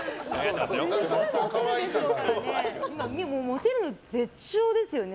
でも、モテるの絶頂ですよね